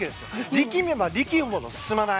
力めば力むほど進まない。